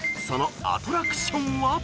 そのアトラクションは？］